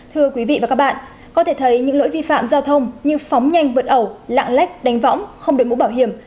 thưa quý vị và các bạn có thể thấy những lỗi vi phạm giao thông như phóng nhanh vượt ẩu lạng lách đánh võng không đổi mũ bảo hiểm